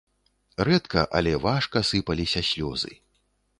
Рэдка, але важка сыпаліся слёзы.